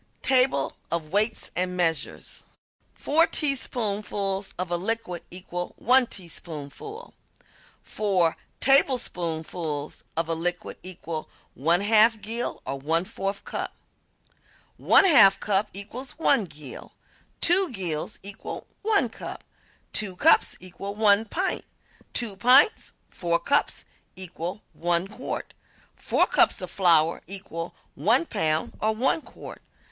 TABLE OF WEIGHTS AND MEASURES Four teaspoonfuls of a liquid equal 1 tablespoonful. Four tablespoonfuls of a liquid equal 1/2 gill or 1/4 cup. One half cup equals 1 gill. Two gills equal 1 cup. Two cups equal 1 pint. Two pints (4 cups) equal 1 quart. Four cups of flour equal 1 pound or 1 quart.